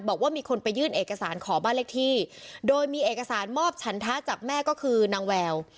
บอกว่ามีคนไปยื่นเอกสารขอบ้านเลขที่โดยมีเอกสารมอบฉันทะจากแม่ก็คือนางแวว